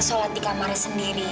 sholat di kamarnya sendiri